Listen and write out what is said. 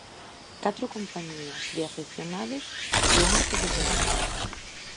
Catro compañías de afeccionados e unha profesional.